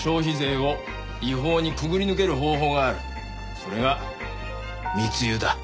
それが密輸だ。